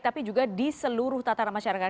tapi juga di seluruh tataran masyarakat